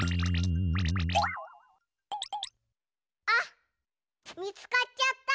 あっ！